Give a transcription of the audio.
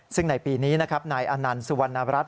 ซึ่งในปีนี้นะครับนายอนันต์สุวรรณรัฐ